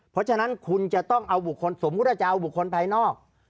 เพราะฉะนั้นคุณจะต้องเอาบุคคลสมมุติว่าจะเอาบุคคลภายนอก